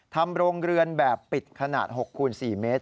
ทำโรงเรือนแบบปิดขนาด๖คูณ๔เมตร